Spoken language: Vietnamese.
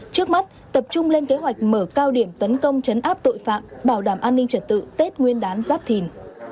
trước mắt tập trung lên kế hoạch mở cao điểm tấn công chấn áp tội phạm bảo đảm an ninh trật tự tết nguyên đán giáp thìn